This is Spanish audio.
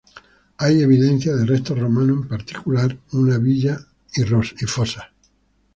Hay evidencia de restos romanos, en particular una villa y fosas.